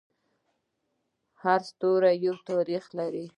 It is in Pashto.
هر ستوری یو تاریخ لري.